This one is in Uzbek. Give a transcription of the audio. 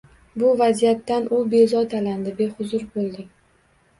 Bu vaziyatdan u bezovtalandi, behuzur boʻldi.